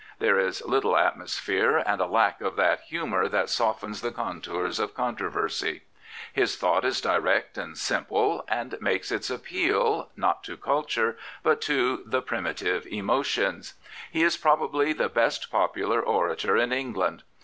There is little atmosphere and a lack of that humour that softens the contours of controversy. His thought is direct and simple, and makes its appeal, not to culture, but to the primitive emotions. probably the best popular orator in England.